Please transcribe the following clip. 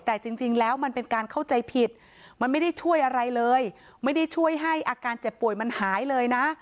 แต่จริงแล้วมันเป็นการเข้าใจผิดมันไม่ได้ช่วยอะไรเลยไม่ได้ช่วยให้อาการเจ็บป่วยมันหายเลยนะ